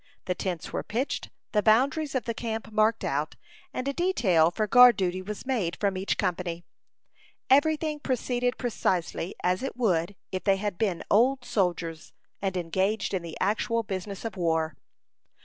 The tents were pitched, the boundaries of the camp marked out, and a detail for guard duty was made from each company. Every thing proceeded precisely as it would if they had been old soldiers, and engaged in the actual business of war.